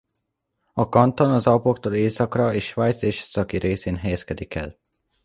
A kanton az Alpoktól északra és Svájc északi részén helyezkedik el.